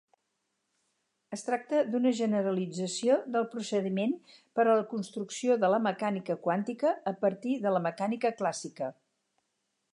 Es tracta d'una generalització del procediment per a la construcció de la mecànica quàntica a partir de la mecànica clàssica.